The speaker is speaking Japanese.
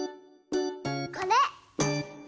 これ！